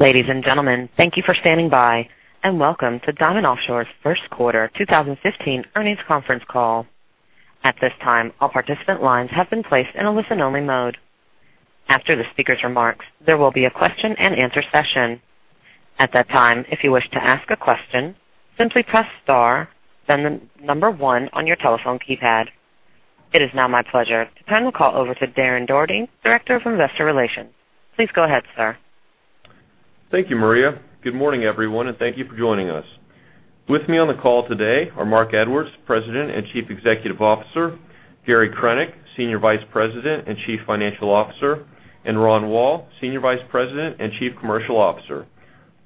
Ladies and gentlemen, thank you for standing by, and welcome to Diamond Offshore's first quarter 2015 earnings conference call. At this time, all participant lines have been placed in a listen-only mode. After the speaker's remarks, there will be a question-and-answer session. At that time, if you wish to ask a question, simply press star, then the number one on your telephone keypad. It is now my pleasure to turn the call over to Darren Daugherty, Director of Investor Relations. Please go ahead, sir. Thank you, Maria. Good morning, everyone, and thank you for joining us. With me on the call today are Marc Edwards, President and Chief Executive Officer, Gary Krenek, Senior Vice President and Chief Financial Officer, and Ronald Woll, Senior Vice President and Chief Commercial Officer.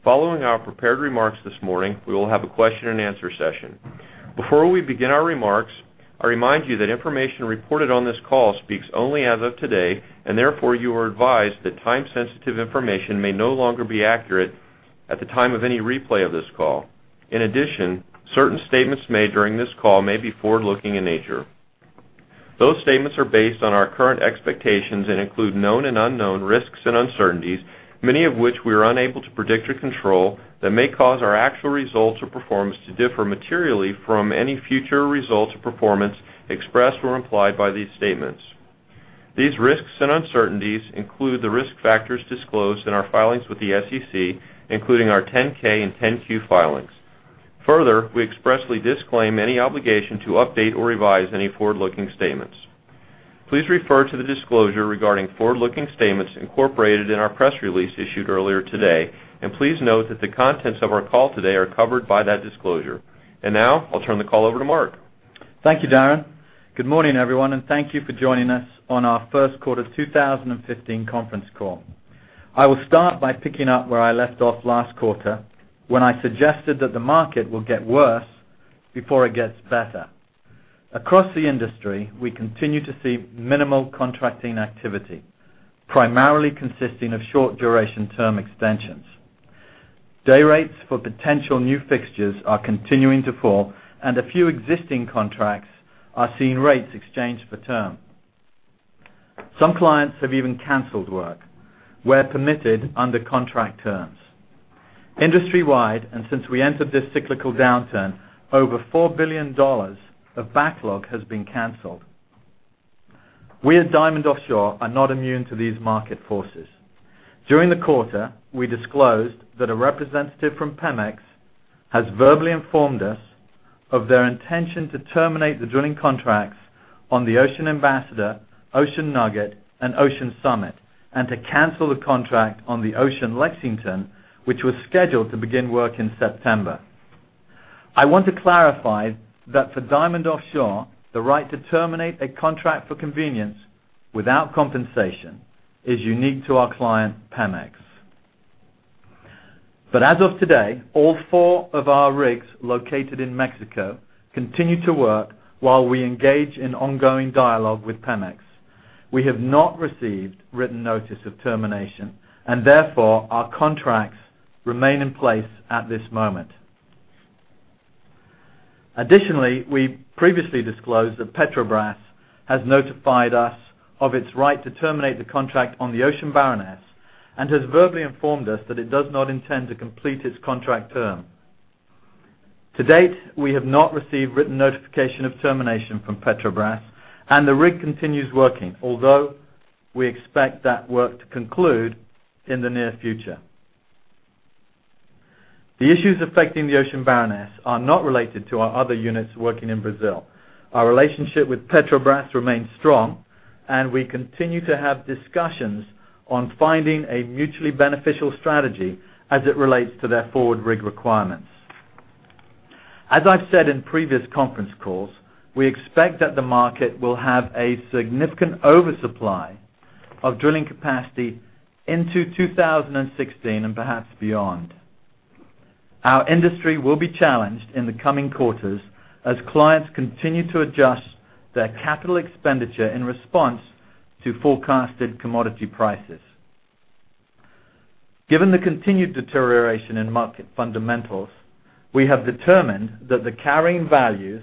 Following our prepared remarks this morning, we will have a question-and-answer session. Before we begin our remarks, I remind you that information reported on this call speaks only as of today, and therefore, you are advised that time-sensitive information may no longer be accurate at the time of any replay of this call. In addition, certain statements made during this call may be forward-looking in nature. Those statements are based on our current expectations and include known and unknown risks and uncertainties, many of which we are unable to predict or control, that may cause our actual results or performance to differ materially from any future results or performance expressed or implied by these statements. These risks and uncertainties include the risk factors disclosed in our filings with the SEC, including our 10-K and 10-Q filings. Further, we expressly disclaim any obligation to update or revise any forward-looking statements. Please refer to the disclosure regarding forward-looking statements incorporated in our press release issued earlier today, and please note that the contents of our call today are covered by that disclosure. Now, I'll turn the call over to Marc. Thank you, Darren. Good morning, everyone, and thank you for joining us on our first quarter 2015 conference call. I will start by picking up where I left off last quarter when I suggested that the market will get worse before it gets better. Across the industry, we continue to see minimal contracting activity, primarily consisting of short-duration term extensions. Day rates for potential new fixtures are continuing to fall, and a few existing contracts are seeing rates exchanged for term. Some clients have even canceled work where permitted under contract terms. Industry-wide, and since we entered this cyclical downturn, over $4 billion of backlog has been canceled. We at Diamond Offshore are not immune to these market forces. During the quarter, we disclosed that a representative from Pemex has verbally informed us of their intention to terminate the drilling contracts on the Ocean Ambassador, Ocean Nugget, and Ocean Summit, and to cancel the contract on the Ocean Lexington, which was scheduled to begin work in September. I want to clarify that for Diamond Offshore, the right to terminate a contract for convenience without compensation is unique to our client, Pemex. As of today, all four of our rigs located in Mexico continue to work while we engage in ongoing dialogue with Pemex. We have not received written notice of termination, and therefore, our contracts remain in place at this moment. Additionally, we previously disclosed that Petrobras has notified us of its right to terminate the contract on the Ocean Baroness and has verbally informed us that it does not intend to complete its contract term. To date, we have not received written notification of termination from Petrobras, and the rig continues working, although we expect that work to conclude in the near future. The issues affecting the Ocean Baroness are not related to our other units working in Brazil. Our relationship with Petrobras remains strong, and we continue to have discussions on finding a mutually beneficial strategy as it relates to their forward rig requirements. As I've said in previous conference calls, we expect that the market will have a significant oversupply of drilling capacity into 2016 and perhaps beyond. Our industry will be challenged in the coming quarters as clients continue to adjust their capital expenditure in response to forecasted commodity prices. Given the continued deterioration in market fundamentals, we have determined that the carrying values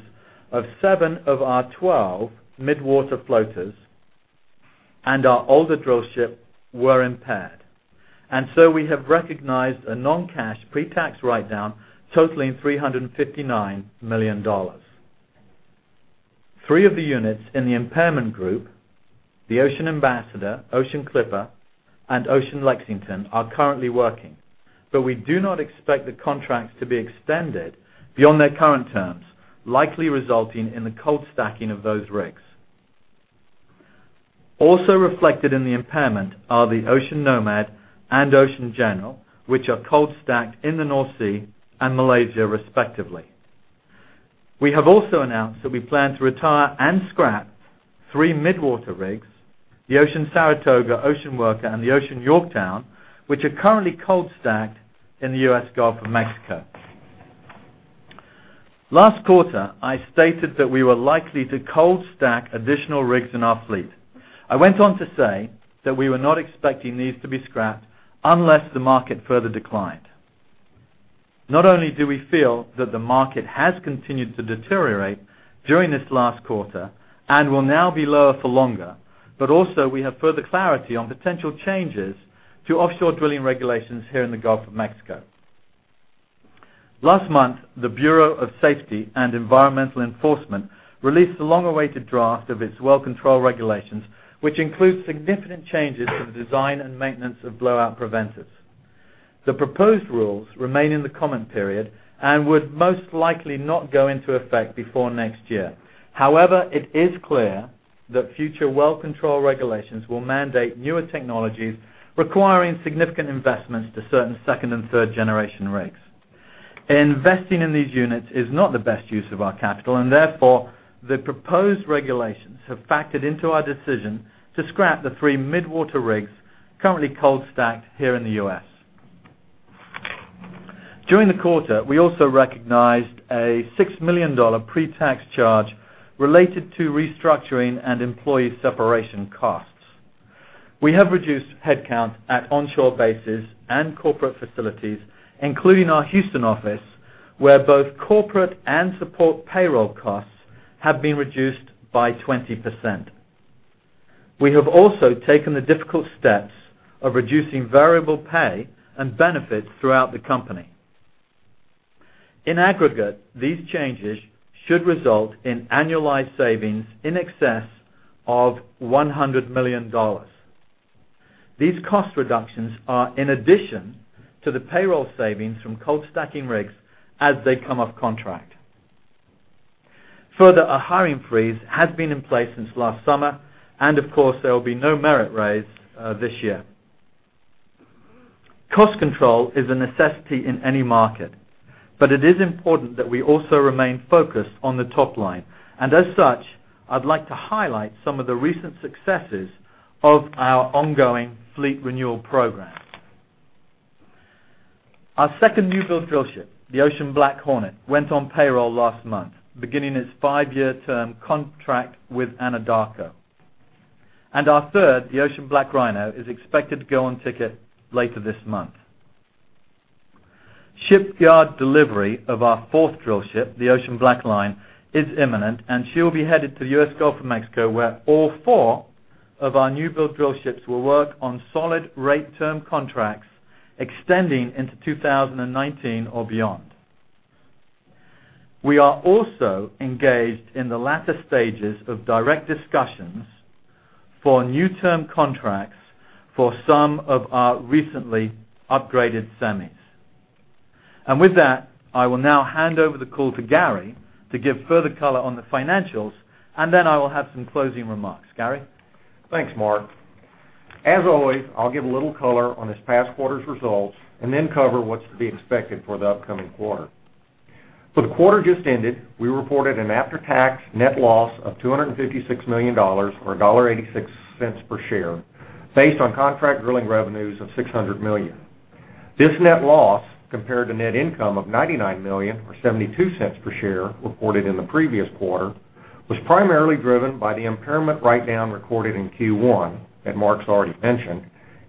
of seven of our 12 mid-water floaters and our older drillship were impaired. We have recognized a non-cash pre-tax write-down totaling $359 million. Three of the units in the impairment group, the Ocean Ambassador, Ocean Clipper, and Ocean Lexington, are currently working. We do not expect the contracts to be extended beyond their current terms, likely resulting in the cold stacking of those rigs. Also reflected in the impairment are the Ocean Nomad and Ocean General, which are cold stacked in the North Sea and Malaysia, respectively. We have also announced that we plan to retire and scrap three mid-water rigs, the Ocean Saratoga, Ocean Worker, and the Ocean Yorktown, which are currently cold stacked in the U.S. Gulf of Mexico. Last quarter, I stated that we were likely to cold stack additional rigs in our fleet. I went on to say that we were not expecting these to be scrapped unless the market further declined. Not only do we feel that the market has continued to deteriorate during this last quarter and will now be lower for longer, but also we have further clarity on potential changes to offshore drilling regulations here in the Gulf of Mexico. Last month, the Bureau of Safety and Environmental Enforcement released the long-awaited draft of its well control regulations, which includes significant changes to the design and maintenance of blowout preventers. The proposed rules remain in the comment period and would most likely not go into effect before next year. However, it is clear that future well control regulations will mandate newer technologies, requiring significant investments to certain second- and third-generation rigs. Investing in these units is not the best use of our capital, and therefore, the proposed regulations have factored into our decision to scrap the three mid-water rigs currently cold stacked here in the U.S. During the quarter, we also recognized a $6 million pre-tax charge related to restructuring and employee separation costs. We have reduced headcount at onshore bases and corporate facilities, including our Houston office, where both corporate and support payroll costs have been reduced by 20%. We have also taken the difficult steps of reducing variable pay and benefits throughout the company. In aggregate, these changes should result in annualized savings in excess of $100 million. These cost reductions are in addition to the payroll savings from cold stacking rigs as they come off contract. A hiring freeze has been in place since last summer, and of course, there will be no merit raise this year. Cost control is a necessity in any market, but it is important that we also remain focused on the top line. As such, I'd like to highlight some of the recent successes of our ongoing fleet renewal program. Our second new build drillship, the Ocean Black Hornet, went on payroll last month, beginning its five-year term contract with Anadarko. Our third, the Ocean Black Rhino, is expected to go on ticket later this month. Shipyard delivery of our fourth drillship, the Ocean BlackLion, is imminent, and she'll be headed to the U.S. Gulf of Mexico, where all four of our new build drillships will work on solid rate term contracts extending into 2019 or beyond. We are also engaged in the latter stages of direct discussions for new term contracts for some of our recently upgraded semis. With that, I will now hand over the call to Gary to give further color on the financials, I will have some closing remarks. Gary? Thanks, Marc. As always, I'll give a little color on this past quarter's results and then cover what's to be expected for the upcoming quarter. For the quarter just ended, we reported an after-tax net loss of $256 million, or $1.86 per share, based on contract drilling revenues of $600 million. This net loss, compared to net income of $99 million, or $0.72 per share, reported in the previous quarter, was primarily driven by the impairment write-down recorded in Q1 that Marc's already mentioned,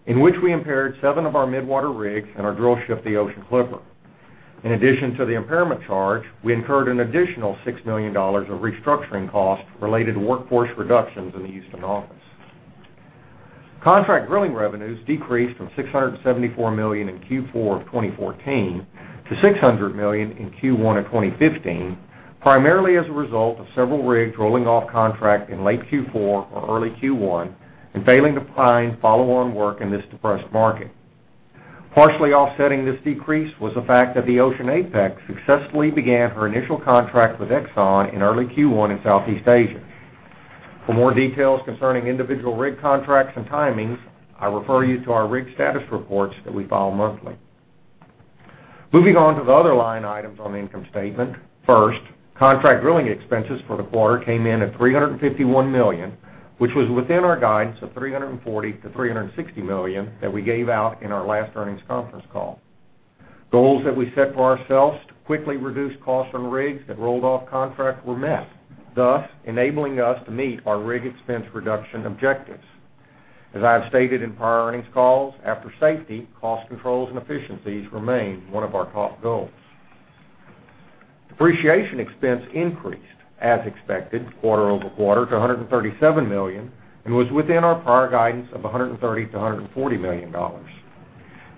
in which we impaired seven of our mid-water floaters and our drillship, the Ocean Clipper. In addition to the impairment charge, we incurred an additional $6 million of restructuring costs related to workforce reductions in the Houston office. Contract drilling revenues decreased from $674 million in Q4 of 2014 to $600 million in Q1 2015, primarily as a result of several rigs rolling off contract in late Q4 or early Q1 and failing to find follow-on work in this depressed market. Partially offsetting this decrease was the fact that the Ocean Apex successfully began her initial contract with ExxonMobil in early Q1 in Southeast Asia. For more details concerning individual rig contracts and timings, I refer you to our rig status reports that we file monthly. Moving on to the other line items on the income statement. First, contract drilling expenses for the quarter came in at $351 million, which was within our guidance of $340 million-$360 million that we gave out in our last earnings conference call. Goals that we set for ourselves to quickly reduce costs from rigs that rolled off contract were met, thus enabling us to meet our rig expense reduction objectives. As I have stated in prior earnings calls, after safety, cost controls and efficiencies remain one of our top goals. Depreciation expense increased, as expected, quarter-over-quarter to $137 million and was within our prior guidance of $130 million-$140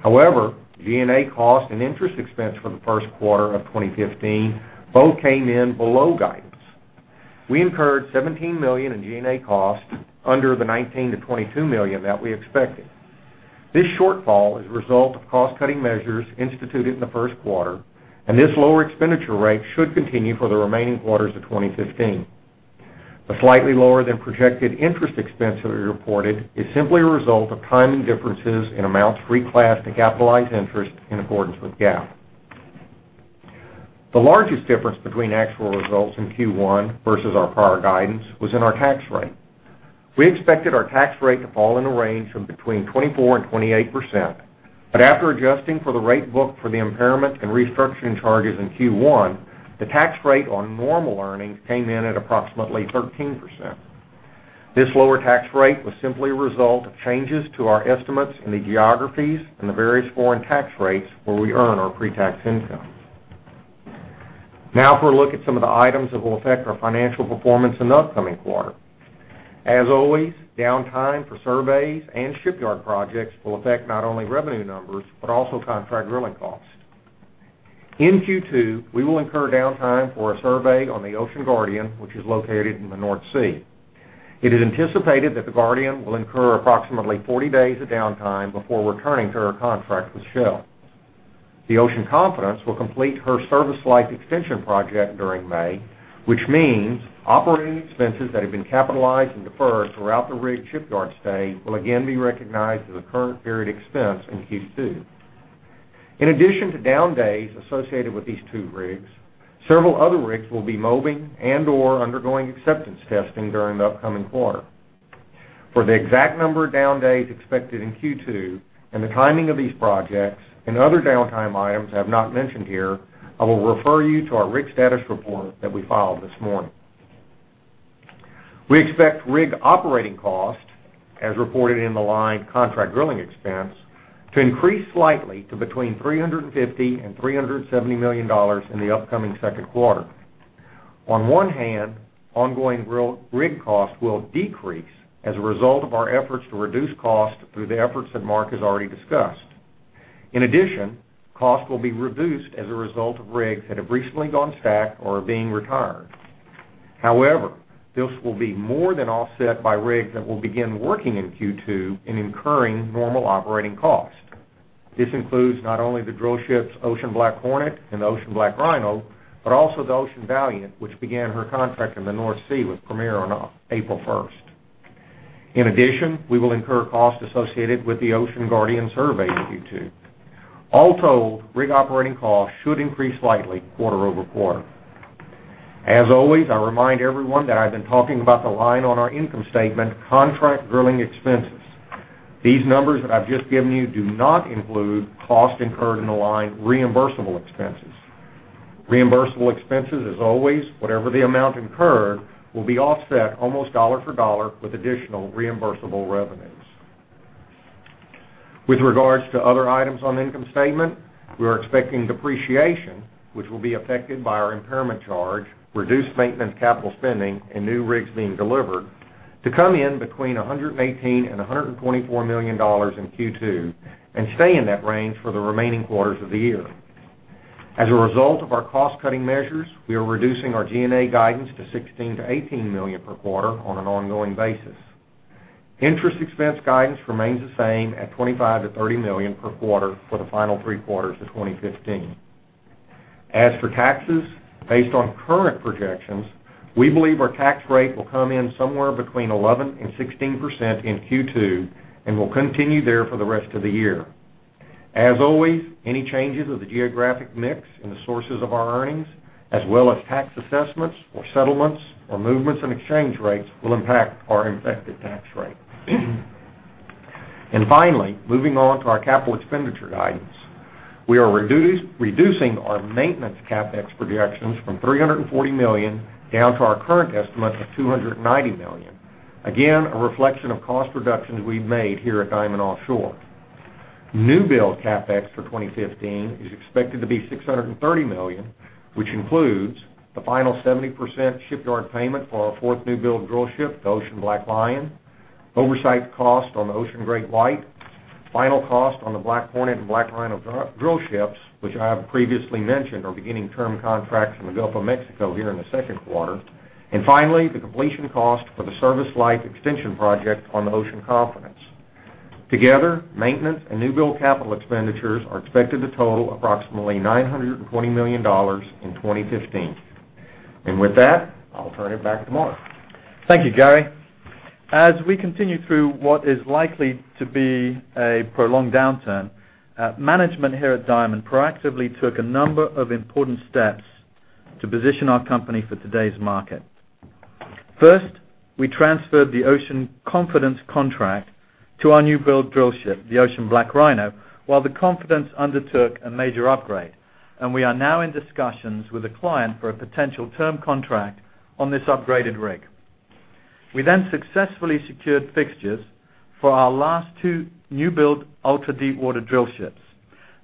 million. G&A costs and interest expense for Q1 2015 both came in below guidance. We incurred $17 million in G&A costs, under the $19 million-$22 million that we expected. This shortfall is a result of cost-cutting measures instituted in Q1, and this lower expenditure rate should continue for the remaining quarters of 2015. The slightly lower-than-projected interest expense that we reported is simply a result of timing differences in amounts reclassed to capitalized interest in accordance with GAAP. The largest difference between actual results in Q1 versus our prior guidance was in our tax rate. We expected our tax rate to fall in a range from between 24%-28%, but after adjusting for the rate booked for the impairment and restructuring charges in Q1, the tax rate on normal earnings came in at approximately 13%. This lower tax rate was simply a result of changes to our estimates in the geographies and the various foreign tax rates where we earn our pre-tax income. For a look at some of the items that will affect our financial performance in the upcoming quarter. As always, downtime for surveys and shipyard projects will affect not only revenue numbers, but also contract drilling costs. In Q2, we will incur downtime for a survey on the Ocean Guardian, which is located in the North Sea. It is anticipated that the Guardian will incur approximately 40 days of downtime before returning to her contract with Shell. The Ocean Confidence will complete her service life extension project during May, which means operating expenses that have been capitalized and deferred throughout the rig shipyard stay will again be recognized as a current period expense in Q2. In addition to down days associated with these two rigs, several other rigs will be moving and/or undergoing acceptance testing during the upcoming quarter. For the exact number of down days expected in Q2 and the timing of these projects and other downtime items I have not mentioned here, I will refer you to our rig status report that we filed this morning. We expect rig operating costs, as reported in the line contract drilling expense, to increase slightly to between $350 million-$370 million in the upcoming Q2. Ongoing rig costs will decrease as a result of our efforts to reduce costs through the efforts that Marc has already discussed. Costs will be reduced as a result of rigs that have recently cold stacked or are being retired. This will be more than offset by rigs that will begin working in Q2 and incurring normal operating costs. This includes not only the drillships Ocean Black Hornet and the Ocean Black Rhino, but also the Ocean Valiant, which began her contract in the North Sea with Premier on April 1st. We will incur costs associated with the Ocean Guardian survey in Q2. Rig operating costs should increase slightly quarter-over-quarter. As always, I remind everyone that I've been talking about the line on our income statement, contract drilling expenses. These numbers that I've just given you do not include costs incurred in the line reimbursable expenses. Reimbursable expenses, as always, whatever the amount incurred, will be offset almost dollar for dollar with additional reimbursable revenues. With regards to other items on the income statement, we are expecting depreciation, which will be affected by our impairment charge, reduced maintenance capital spending, and new rigs being delivered to come in between $118 million and $124 million in Q2 and stay in that range for the remaining quarters of the year. As a result of our cost-cutting measures, we are reducing our G&A guidance to $16 million to $18 million per quarter on an ongoing basis. Interest expense guidance remains the same at $25 million to $30 million per quarter for the final three quarters of 2015. As for taxes, based on current projections, we believe our tax rate will come in somewhere between 11% and 16% in Q2 and will continue there for the rest of the year. As always, any changes of the geographic mix in the sources of our earnings, as well as tax assessments or settlements or movements in exchange rates, will impact our effective tax rate. Finally, moving on to our capital expenditure guidance. We are reducing our maintenance CapEx projections from $340 million down to our current estimate of $290 million. Again, a reflection of cost reductions we've made here at Diamond Offshore. New build CapEx for 2015 is expected to be $630 million, which includes the final 70% shipyard payment for our fourth new build drillship, the Ocean BlackLion, oversight cost on the Ocean GreatWhite, final cost on the Ocean Black Hornet and Ocean Black Rhino drillships, which I have previously mentioned, are beginning term contracts in the Gulf of Mexico here in the second quarter. Finally, the completion cost for the service life extension project on the Ocean Confidence. Together, maintenance and new build capital expenditures are expected to total approximately $920 million in 2015. With that, I'll turn it back to Marc. Thank you, Gary. As we continue through what is likely to be a prolonged downturn, management here at Diamond proactively took a number of important steps to position our company for today's market. First, we transferred the Ocean Confidence contract to our new build drillship, the Ocean Black Rhino, while the Confidence undertook a major upgrade. We are now in discussions with a client for a potential term contract on this upgraded rig. We successfully secured fixtures for our last two new build ultra-deepwater drillships.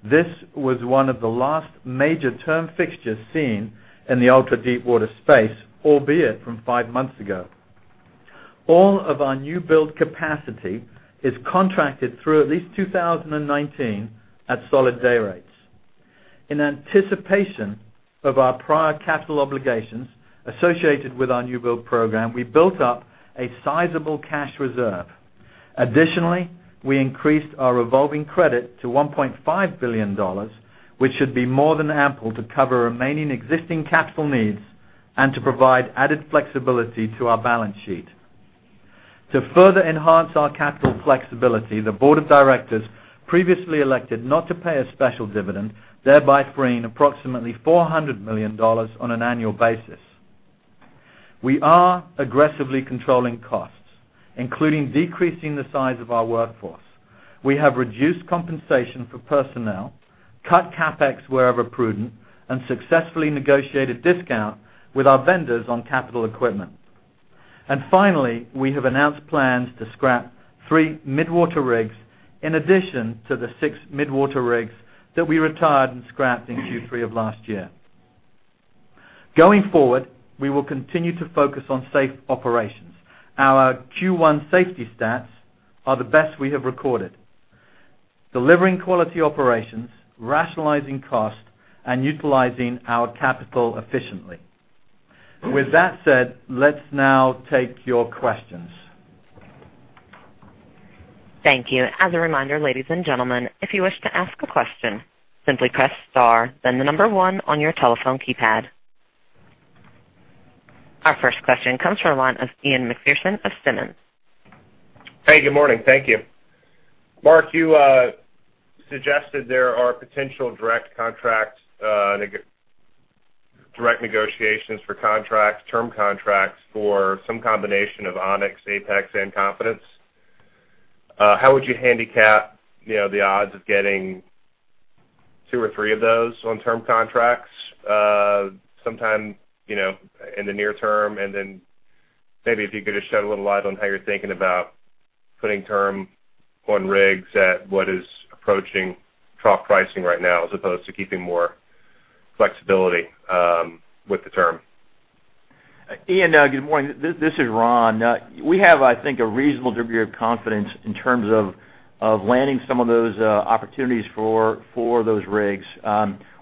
This was one of the last major term fixtures seen in the ultra-deepwater space, albeit from five months ago. All of our new build capacity is contracted through at least 2019 at solid day rates. In anticipation of our prior capital obligations associated with our new build program, we built up a sizable cash reserve. Additionally, we increased our revolving credit to $1.5 billion, which should be more than ample to cover remaining existing capital needs and to provide added flexibility to our balance sheet. To further enhance our capital flexibility, the board of directors previously elected not to pay a special dividend, thereby freeing approximately $400 million on an annual basis. We are aggressively controlling costs, including decreasing the size of our workforce. We have reduced compensation for personnel, cut CapEx wherever prudent, and successfully negotiated discount with our vendors on capital equipment. Finally, we have announced plans to scrap three mid-water rigs in addition to the six mid-water rigs that we retired and scrapped in Q3 of last year. Going forward, we will continue to focus on safe operations. Our Q1 safety stats are the best we have recorded. Delivering quality operations, rationalizing costs, and utilizing our capital efficiently. With that said, let's now take your questions. Thank you. As a reminder, ladies and gentlemen, if you wish to ask a question, simply press star then the number one on your telephone keypad. Our first question comes from the line of Ian Macpherson of Simmons. Hey, good morning. Thank you. Marc, you suggested there are potential direct negotiations for term contracts for some combination of Onyx, Apex, and Confidence. How would you handicap the odds of getting two or three of those on term contracts, sometime in the near term? Then maybe if you could just shed a little light on how you're thinking about putting term on rigs at what is approaching trough pricing right now as opposed to keeping more flexibility with the term. Ian, good morning. This is Ron. We have, I think, a reasonable degree of confidence in terms of landing some of those opportunities for those rigs.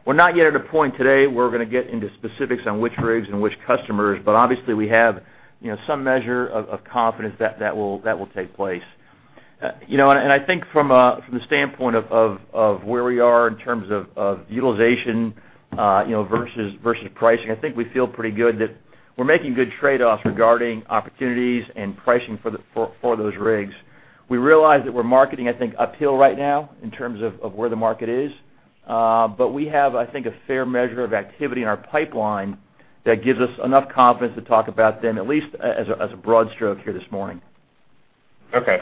We're not yet at a point today where we're going to get into specifics on which rigs and which customers, but obviously, we have some measure of confidence that will take place. I think from the standpoint of where we are in terms of utilization versus pricing, I think we feel pretty good that we're making good trade-offs regarding opportunities and pricing for those rigs. We realize that we're marketing, I think, uphill right now in terms of where the market is. We have, I think, a fair measure of activity in our pipeline that gives us enough confidence to talk about them at least as a broad stroke here this morning. Okay.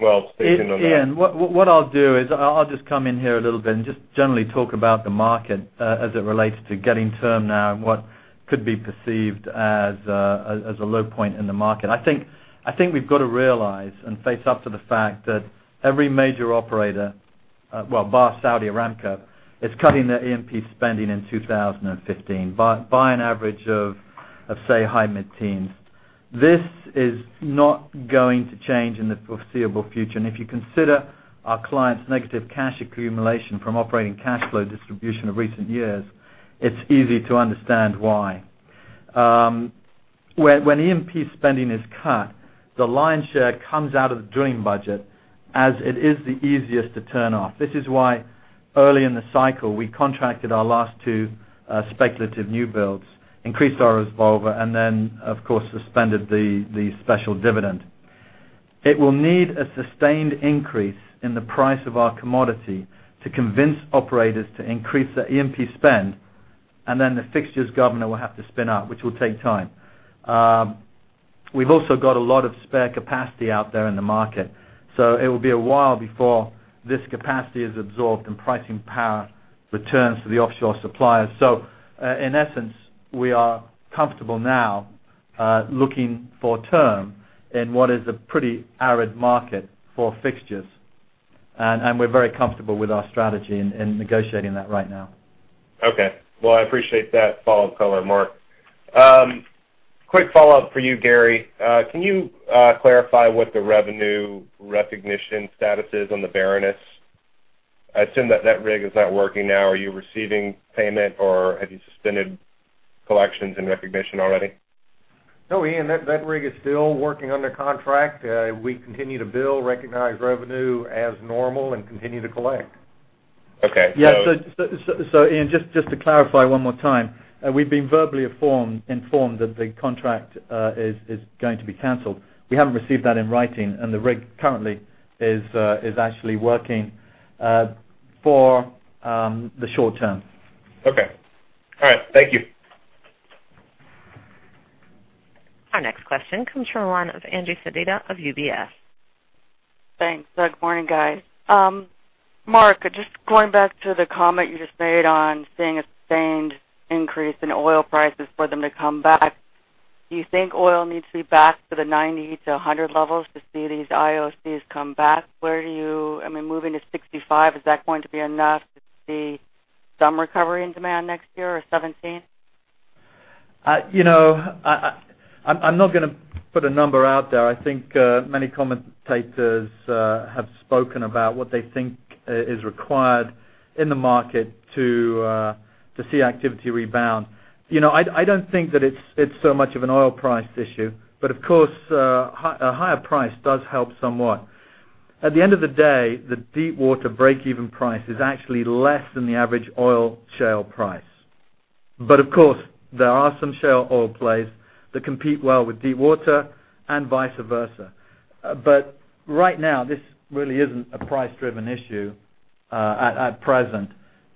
Well, speaking of that- Ian, what I'll do is I'll just come in here a little bit and just generally talk about the market as it relates to getting term now and what could be perceived as a low point in the market. I think we've got to realize and face up to the fact that every major operator, well, bar Saudi Aramco, is cutting their E&P spending in 2015 by an average of, say, high mid-teens. This is not going to change in the foreseeable future. If you consider our clients' negative cash accumulation from operating cash flow distribution of recent years, it's easy to understand why. When E&P spending is cut, the lion's share comes out of the drilling budget as it is the easiest to turn off. This is why early in the cycle, we contracted our last two speculative new builds, increased our revolver, then, of course, suspended the special dividend. It will need a sustained increase in the price of our commodity to convince operators to increase their E&P spend, then the fixtures governor will have to spin up, which will take time. We've also got a lot of spare capacity out there in the market. It will be a while before this capacity is absorbed and pricing power returns to the offshore suppliers. In essence, we are comfortable now looking for term in what is a pretty arid market for fixtures. We're very comfortable with our strategy in negotiating that right now. Okay. Well, I appreciate that follow-up color, Marc. Quick follow-up for you, Gary. Can you clarify what the revenue recognition status is on the Baroness? I assume that rig is not working now. Are you receiving payment, or have you suspended collections and recognition already? No, Ian, that rig is still working under contract. We continue to bill, recognize revenue as normal, and continue to collect. Okay. Ian, just to clarify one more time, we've been verbally informed that the contract is going to be canceled. We haven't received that in writing, and the rig currently is actually working for the short term. Okay. All right. Thank you. Our next question comes from the line of Angeline Sedita of UBS. Thanks. Good morning, guys. Marc, just going back to the comment you just made on seeing a sustained increase in oil prices for them to come back. Do you think oil needs to be back to the $90-$100 levels to see these IOCs come back? I mean, moving to $65, is that going to be enough to see some recovery in demand next year or 2017? I'm not going to put a number out there. I think many commentators have spoken about what they think is required in the market to see activity rebound. I don't think that it's so much of an oil price issue, but of course, a higher price does help somewhat. At the end of the day, the deepwater break-even price is actually less than the average oil shale price. Of course, there are some shale oil plays that compete well with deepwater and vice versa. Right now, this really isn't a price-driven issue at present.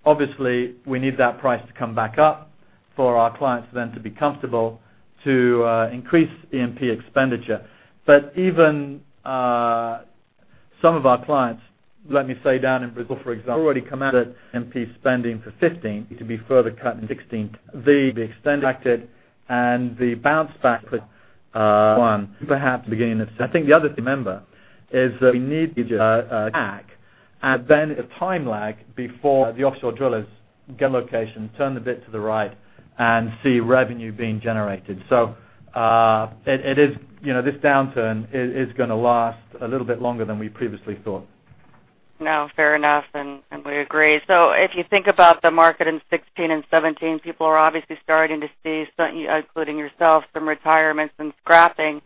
Obviously, we need that price to come back up for our clients then to be comfortable to increase E&P expenditure. Even some of our clients, let me say down in Brazil, for example, already come out that E&P spending for 2015 to be further cut in 2016. The extended and the bounce back put Q1 perhaps. I think the other thing to remember is that we need to. [inaudible] Then the time lag before the offshore drillers get on location, turn the bit to the right and see revenue being generated. This downturn is going to last a little bit longer than we previously thought. No, fair enough. We agree. If you think about the market in 2016 and 2017, people are obviously starting to see, including yourself, some retirements and scrapping.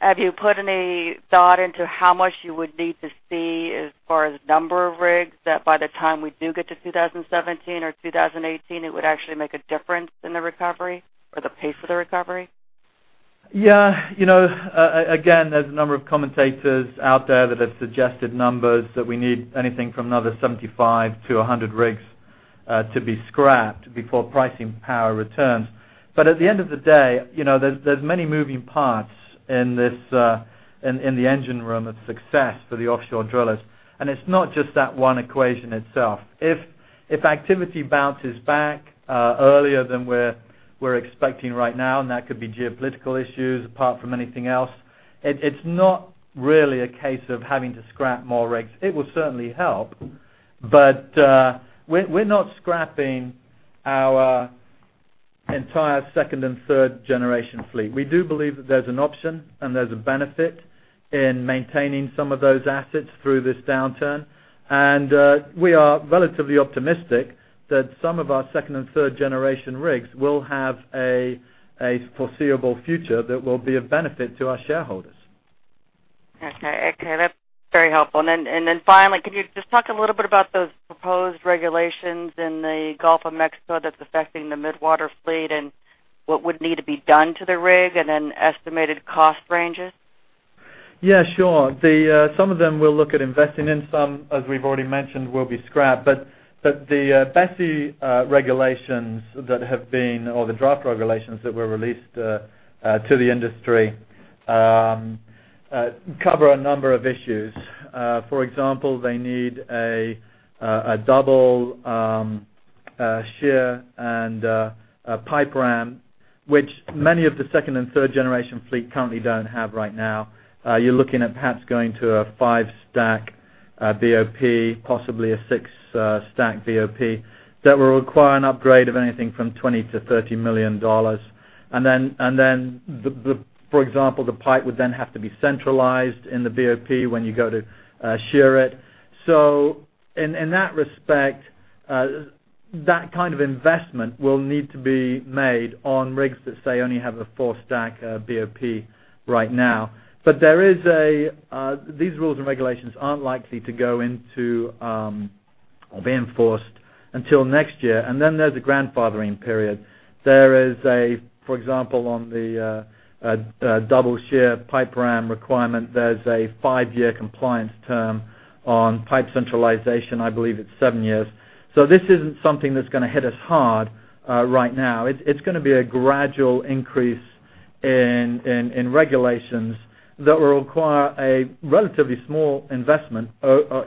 Have you put any thought into how much you would need to see as far as number of rigs, that by the time we do get to 2017 or 2018, it would actually make a difference in the recovery or the pace of the recovery? Yeah. Again, there's a number of commentators out there that have suggested numbers that we need anything from another 75 to 100 rigs to be scrapped before pricing power returns. At the end of the day, there's many moving parts in the engine room of success for the offshore drillers. It's not just that one equation itself. If activity bounces back earlier than we're expecting right now, and that could be geopolitical issues, apart from anything else, it's not really a case of having to scrap more rigs. It will certainly help. We're not scrapping our entire second and third generation fleet. We do believe that there's an option and there's a benefit in maintaining some of those assets through this downturn. We are relatively optimistic that some of our second and third generation rigs will have a foreseeable future that will be of benefit to our shareholders. Okay. That's very helpful. Finally, can you just talk a little bit about those proposed regulations in the Gulf of Mexico that's affecting the mid-water fleet, and what would need to be done to the rig, and then estimated cost ranges? Yeah, sure. Some of them we'll look at investing in. Some, as we've already mentioned, will be scrapped. The BSEE regulations that have been, or the draft regulations that were released to the industry, cover a number of issues. For example, they need a double shear and a pipe ram, which many of the second and third generation fleet currently don't have right now. You're looking at perhaps going to a five-stack BOP, possibly a six-stack BOP. That will require an upgrade of anything from $20 million-$30 million. For example, the pipe would then have to be centralized in the BOP when you go to shear it. In that respect, that kind of investment will need to be made on rigs that, say, only have a four-stack BOP right now. These rules and regulations aren't likely to go into or be enforced until next year. There's a grandfathering period. There is a, for example, on the double shear pipe ram requirement, there's a five-year compliance term. On pipe centralization, I believe it's seven years. This isn't something that's going to hit us hard right now. It's going to be a gradual increase in regulations that will require a relatively small investment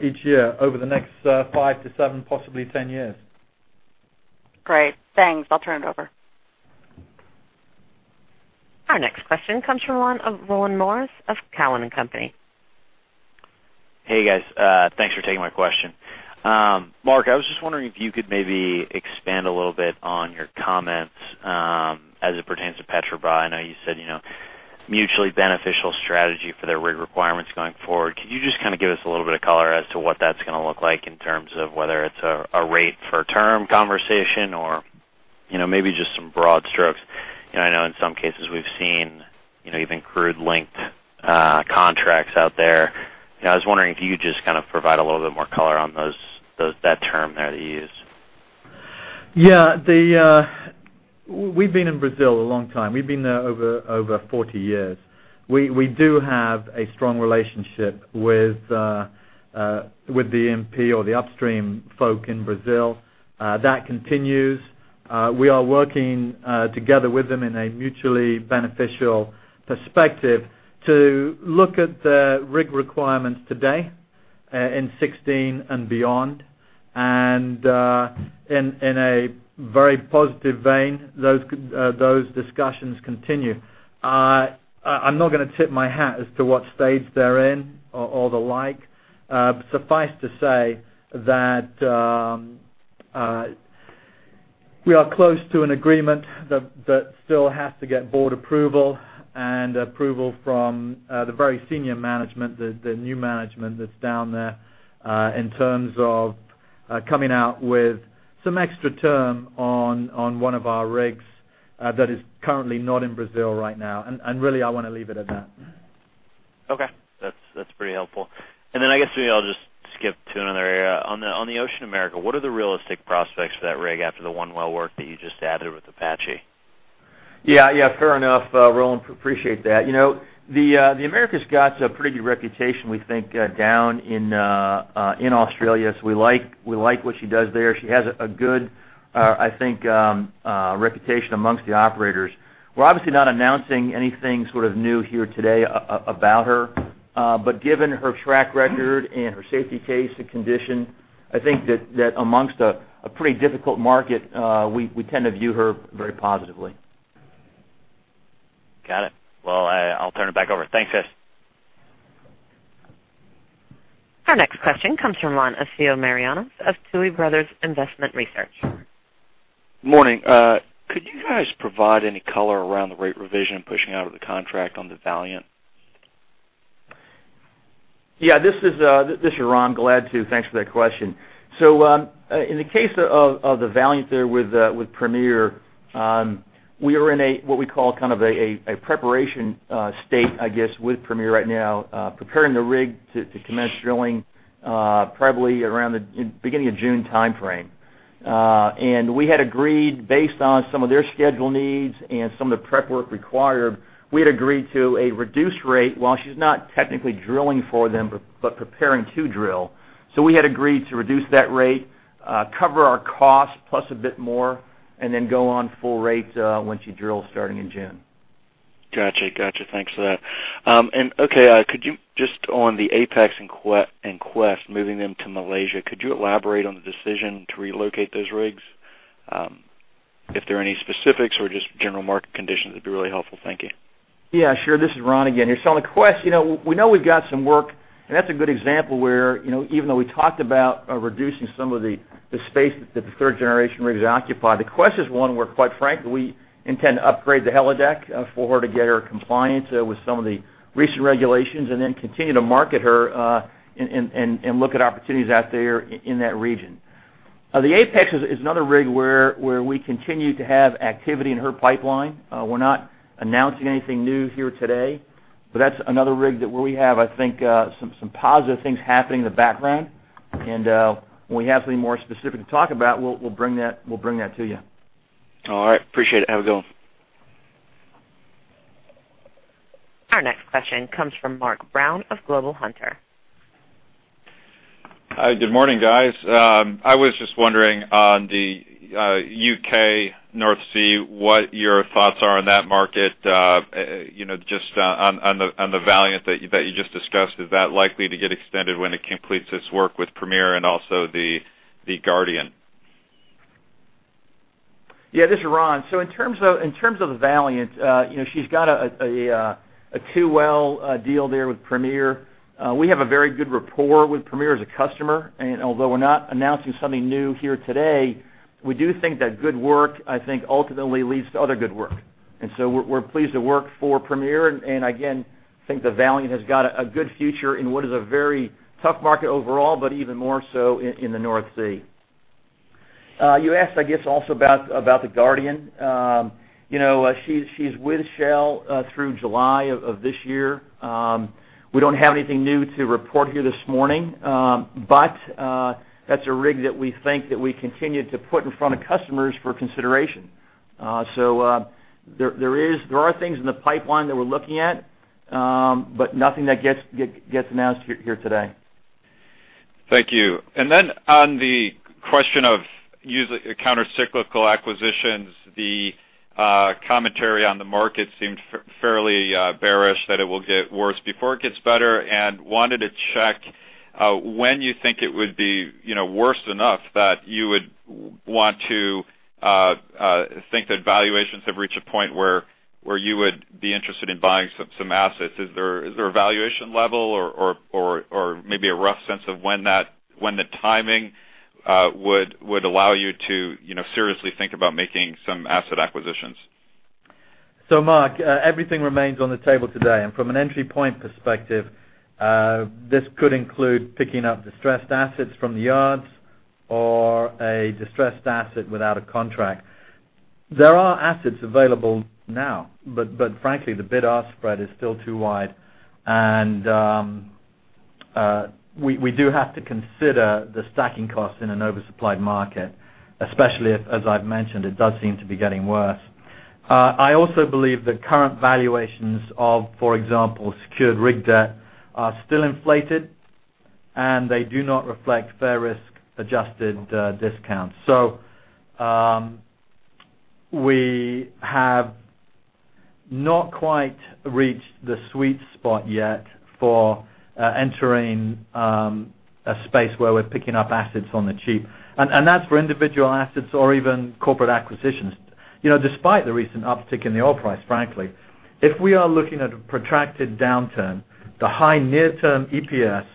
each year over the next five to seven, possibly 10 years. Great. Thanks. I'll turn it over. Our next question comes from the line of Roland Morris of Cowen and Company. Hey, guys. Thanks for taking my question. Marc, I was just wondering if you could maybe expand a little bit on your comments as it pertains to Petrobras. I know you said mutually beneficial strategy for their rig requirements going forward. Could you just give us a little bit of color as to what that's going to look like in terms of whether it's a rate for term conversation or maybe just some broad strokes? I know in some cases we've seen even crude linked contracts out there. I was wondering if you could just provide a little bit more color on that term there that you used. Yeah. We've been in Brazil a long time. We've been there over 40 years. We do have a strong relationship with the E&P or the upstream folk in Brazil. That continues. We are working together with them in a mutually beneficial perspective to look at the rig requirements today in 2016 and beyond. In a very positive vein, those discussions continue. I'm not going to tip my hat as to what stage they're in or the like. Suffice to say that we are close to an agreement that still has to get board approval and approval from the very senior management, the new management that's down there, in terms of coming out with some extra term on one of our rigs that is currently not in Brazil right now. Really, I want to leave it at that. Okay. That's pretty helpful. Then I guess maybe I'll just skip to another area. On the Ocean America, what are the realistic prospects for that rig after the one well work that you just added with Apache? Fair enough, Roland. Appreciate that. The Ocean Scotsman a pretty good reputation, we think, down in Australia. We like what she does there. She has a good, I think, reputation amongst the operators. We're obviously not announcing anything sort of new here today about her. Given her track record and her safety case and condition, I think that amongst a pretty difficult market, we tend to view her very positively. Got it. Well, I'll turn it back over. Thanks, guys. Our next question comes from Ron Mazzoni of Tuohy Brothers Investment Research. Morning. Could you guys provide any color around the rate revision pushing out of the contract on the Valiant? This is Ron. Glad to. Thanks for that question. In the case of the Valiant there with Premier, we are in a, what we call kind of a preparation state, I guess, with Premier right now, preparing the rig to commence drilling probably around the beginning of June timeframe. We had agreed, based on some of their schedule needs and some of the prep work required, we had agreed to a reduced rate while she's not technically drilling for them, but preparing to drill. We had agreed to reduce that rate, cover our cost plus a bit more, and then go on full rate, once you drill starting in June. Got you. Thanks for that. Okay, could you just on the Apex and Quest, moving them to Malaysia, could you elaborate on the decision to relocate those rigs? If there are any specifics or just general market conditions, that'd be really helpful. Thank you. This is Ron again here. On the Quest, we know we've got some work, and that's a good example where, even though we talked about reducing some of the space that the third-generation rigs occupy, the Quest is one where, quite frankly, we intend to upgrade the helideck for her to get her compliant with some of the recent regulations and then continue to market her, and look at opportunities out there in that region. The Apex is another rig where we continue to have activity in her pipeline. We're not announcing anything new here today, but that's another rig that we have, I think, some positive things happening in the background. When we have something more specific to talk about, we'll bring that to you. All right. Appreciate it. Have a good one. Our next question comes from Mark Brown of Global Hunter Securities. Hi. Good morning, guys. I was just wondering on the U.K. North Sea, what your thoughts are on that market, just on the Valiant that you just discussed, is that likely to get extended when it completes its work with Premier and also the Guardian? Yeah, this is Ron. In terms of the Valiant, she's got a two-well deal there with Premier. We have a very good rapport with Premier as a customer. Although we're not announcing something new here today, we do think that good work, I think, ultimately leads to other good work. We're pleased to work for Premier, and again, think that Valiant has got a good future in what is a very tough market overall, but even more so in the North Sea. You asked, I guess, also about the Guardian. She's with Shell through July of this year. We don't have anything new to report here this morning. That's a rig that we think that we continue to put in front of customers for consideration. There are things in the pipeline that we're looking at, but nothing that gets announced here today. Thank you. On the question of countercyclical acquisitions, the commentary on the market seemed fairly bearish that it will get worse before it gets better, and wanted to check when you think it would be worse enough that you would want to think that valuations have reached a point where you would be interested in buying some assets. Is there a valuation level or maybe a rough sense of when the timing would allow you to seriously think about making some asset acquisitions? Mark, everything remains on the table today. From an entry point perspective, this could include picking up distressed assets from the yards or a distressed asset without a contract. There are assets available now, frankly, the bid-ask spread is still too wide. We do have to consider the stacking cost in an oversupplied market, especially if, as I've mentioned, it does seem to be getting worse. I also believe that current valuations of, for example, secured rig debt are still inflated, and they do not reflect fair risk-adjusted discounts. We have not quite reached the sweet spot yet for entering a space where we're picking up assets on the cheap. That's for individual assets or even corporate acquisitions. Despite the recent uptick in the oil price, frankly, if we are looking at a protracted downturn, the high near-term EPS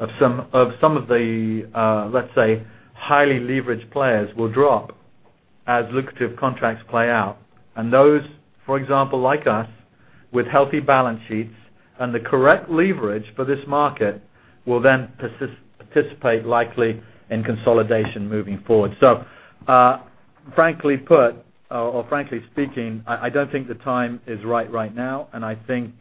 of some of the, let's say, highly leveraged players will drop as lucrative contracts play out. Those, for example, like us with healthy balance sheets and the correct leverage for this market, will then participate likely in consolidation moving forward. Frankly put or frankly speaking, I don't think the time is right now, and I think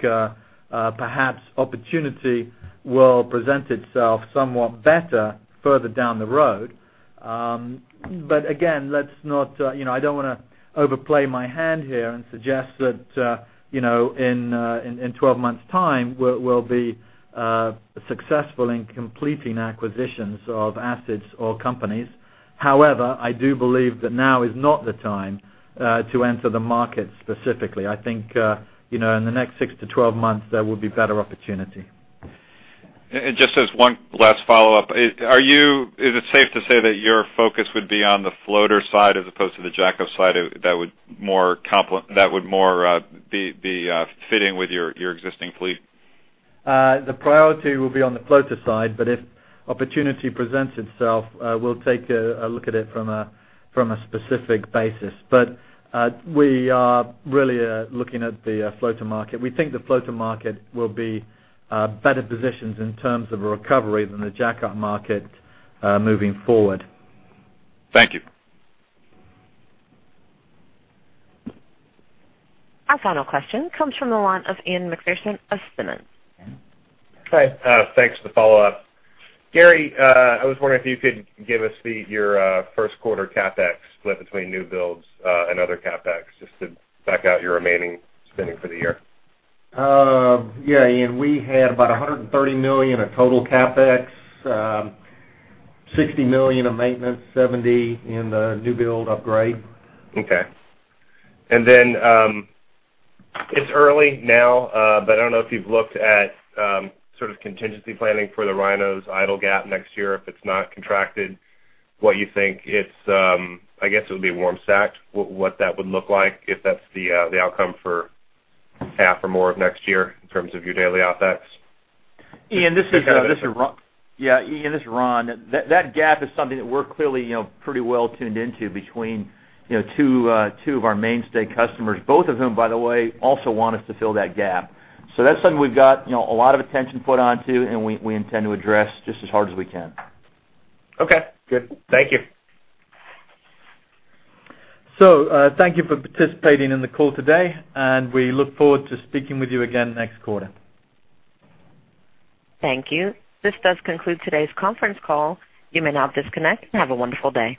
perhaps opportunity will present itself somewhat better further down the road. Again, I don't want to overplay my hand here and suggest that in 12 months' time, we'll be successful in completing acquisitions of assets or companies. However, I do believe that now is not the time to enter the market specifically. I think, in the next six to 12 months, there will be better opportunity. Just as one last follow-up, is it safe to say that your focus would be on the floater side as opposed to the jackup side that would more be fitting with your existing fleet? The priority will be on the floater side, if opportunity presents itself, we'll take a look at it from a specific basis. We are really looking at the floater market. We think the floater market will be better positioned in terms of a recovery than the jackup market moving forward. Thank you. Our final question comes from the line of Ian Macpherson of Simmons. Hi. Thanks for the follow-up. Gary, I was wondering if you could give us your first quarter CapEx split between new builds and other CapEx, just to back out your remaining spending for the year. Yeah, Ian, we had about $130 million of total CapEx, $60 million of maintenance, $70 in the new build upgrade. Okay. It's early now, but I don't know if you've looked at sort of contingency planning for the Rhinos idle gap next year, if it's not contracted, what you think I guess it would be warm stacked, what that would look like if that's the outcome for half or more of next year in terms of your daily OpEx. Ian, this is Ron. That gap is something that we're clearly pretty well tuned into between two of our mainstay customers, both of whom, by the way, also want us to fill that gap. That's something we've got a lot of attention put onto, and we intend to address just as hard as we can. Okay. Good. Thank you. Thank you for participating in the call today, and we look forward to speaking with you again next quarter. Thank you. This does conclude today's conference call. You may now disconnect. Have a wonderful day.